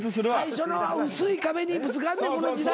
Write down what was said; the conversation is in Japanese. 最初の薄い壁にぶつかんねんこの時代。